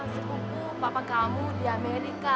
sekumpul bapak kamu di amerika